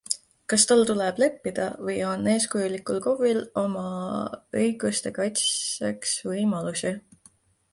Kas tal tuleb leppida või on eeskujulikul KOV-il oma õiguste kaitseks võimalusi?